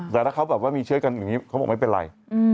แต่ถ้าเขาแบบว่ามีเชื้อกันอย่างนี้เขาบอกไม่เป็นไร